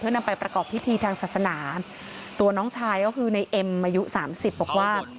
นำไปประกอบพิธีทางศาสนาตัวน้องชายก็คือในเอ็มอายุสามสิบบอกว่า